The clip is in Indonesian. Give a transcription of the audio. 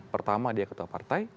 pertama dia ketua partai